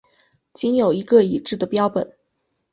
仅有一个已知的标本。